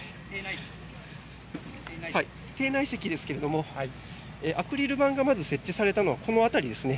廷内席ですがアクリル板がまず設置されたのはこの辺りですね。